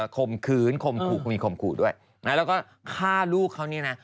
คมคื้นคมคูมีคมคูด้วยแล้วก็ฆ่าลูกเขานี่นะ